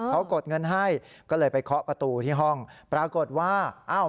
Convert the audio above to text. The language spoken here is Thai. เขากดเงินให้ก็เลยไปเคาะประตูที่ห้องปรากฏว่าอ้าว